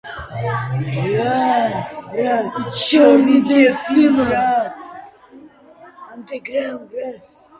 მდინარე ივრის მარჯვენა მხარეს უდაბნოს ადგილებში ზამთრობით გვხვდებოდა სავათი და სარსარაკი.